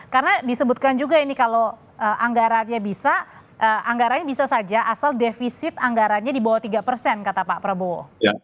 karena disebutkan juga ini kalau anggaranya bisa anggaranya bisa saja asal defisit anggaranya di bawah tiga kata pak prabowo